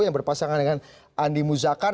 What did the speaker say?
yang berpasangan dengan andi muzakar